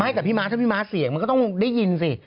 กับพี่ม้าถ้าพี่ม้าเสียงมันก็ต้องได้ยินสิ